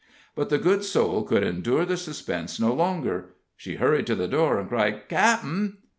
But the good soul could endure the suspense no longer. She hurried to the door, and cried: "Cap'en!"